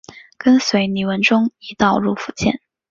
跟随李文忠一道入福建。